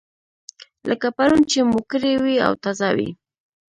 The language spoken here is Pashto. لکه پرون چې مو کړې وي او تازه وي.